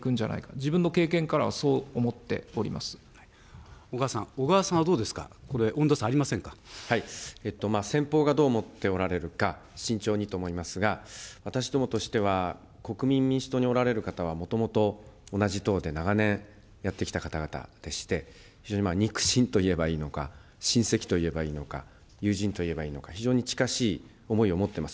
自分の経験からはそう思っており小川さん、小川さんはどうで先方がどう思っておられるか、慎重にと思いますが、私どもとしては、国民民主党におられる方はもともと同じ党で、長年、やってきた方々でして、非常に肉親と言えばいいのか、親戚といえばいいのか、友人といえばいいのか、非常に近しい思いを持っています。